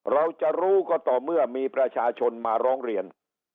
เราจะรู้ก็ต่อเมื่อมีประชาชนมาร้องเรียน